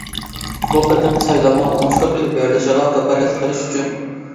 بۇ قېتىمقى سايلامنىڭ ئوڭۇشلۇق ئېلىپ بېرىلىشىغا كاپالەتلىك قىلىش ئۈچۈن.